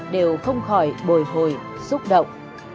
đều không khỏi bồi hồi xúc động